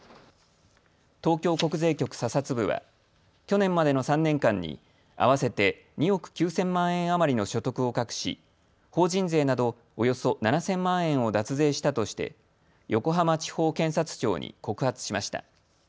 東京国税局査察部は去年までの３年間に合わせて２億９０００万円余りの所得を隠し法人税などおよそ７０００万円を脱税したとして横浜地方検察庁に告発しました。